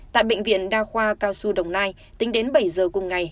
tại bệnh viện đa khoa cao xu đồng nai tính đến bảy giờ cùng ngày